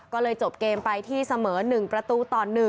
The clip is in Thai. ก็เลยจบเกมไปที่เสมอ๑ประตูต่อ๑